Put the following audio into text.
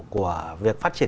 của việc phát triển